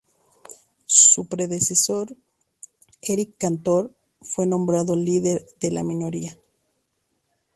Su predecesor, Eric Cantor, fue nombrado líder de la minoría.